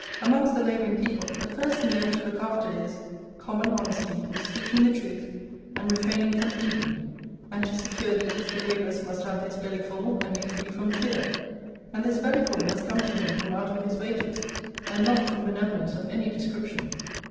Amongst the labouring people, the first thing you have to look after is, common honesty, speaking the truth, and refraining from thieving; and to secure these, the labourer must have his belly full and be free from fear; and this belly full must come to him from out of his wages, and not from benevolence of any description.